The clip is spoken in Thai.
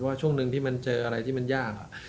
ช่วงหนึ่งที่มันเจออะไรที่มันยาก